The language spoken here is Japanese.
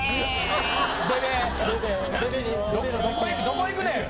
どこ行くねん。